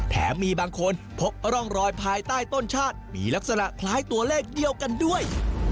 แถมมีบางคนพบร่องรอยภายใต้ต้นชาติมีลักษณะคล้ายตัวเลขเดียวกันด้วย